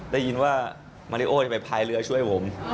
ได้ยินว่ามาริโอไปพายเรือช่วยผม